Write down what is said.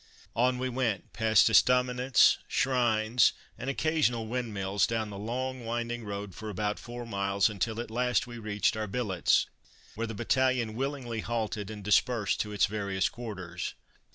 On we went, past estaminets, shrines and occasional windmills, down the long winding road for about four miles, until at last we reached our billets, where the battalion willingly halted and dispersed to its various quarters.